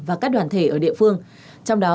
và các đoàn thể ở địa phương trong đó